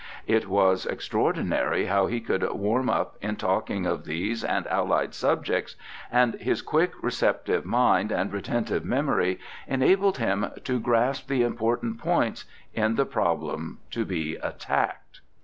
It was extraordinary how he could warm up in talking of these and aUied subjects, and his quick, receptive mind and retentive memory enabled him to grasp the important points in the problems to be attacked.